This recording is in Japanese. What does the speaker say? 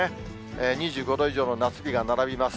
２５度以上の夏日が並びます。